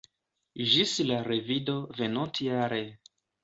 Ĝis la revido venontjare!